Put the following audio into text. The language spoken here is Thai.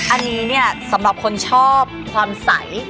อันนี้เนี่ยสำหรับคนชอบความใส